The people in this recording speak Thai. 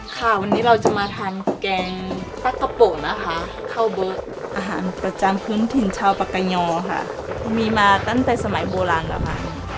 ค่ะวันนี้เราจะมาทานแกงฟักกะโปะนะคะข้าวโบ๊ะอาหารประจำพื้นถิ่นชาวปากกายอค่ะมีมาตั้งแต่สมัยโบราณแล้วค่ะ